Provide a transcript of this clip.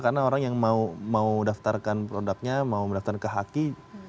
karena orang yang mau daftarkan produknya mau mendaftar ke haki